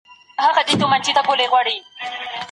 د غور د لعل او سرجنګل ولسوالي خلک ډېر زیارکښ دي.